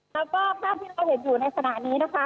แล้วก็ภาพที่เราเห็นอยู่ในขณะนี้นะคะ